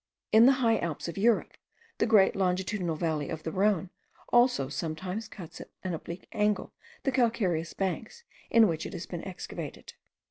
In the high Alps of Europe, the great longitudinal valley of the Rhone also sometimes cuts at an oblique angle the calcareous banks in which it has been excavated.